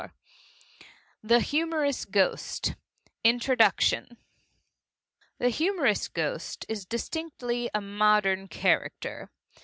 _ The Humorous Ghost INTRODUCTION The humorous ghost is distinctly a modern character.